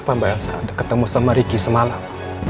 apa mbak elsa ada ketemu sama rikyu semalam